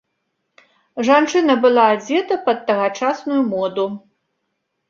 Жанчына была адзета пад тагачасную моду.